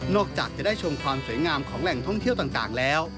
จากจะได้ชมความสวยงามของแหล่งท่องเที่ยวต่างแล้ว